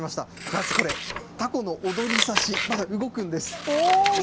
まずこれ、たこの躍り刺し、まだ動くんです。